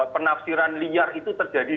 penafsiran liar itu terjadi